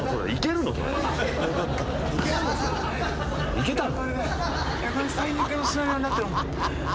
いけたの？